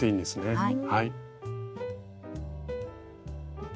はい。